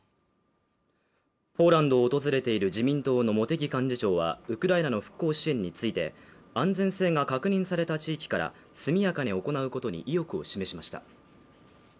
ポーランドを訪れている自民党の茂木幹事長はウクライナの復興支援について安全性が確認された地域から速やかに行うことに意欲を示しました。